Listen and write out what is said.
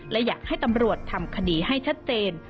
และอยากให้ตำรวจทำคดีให้ชัดเจน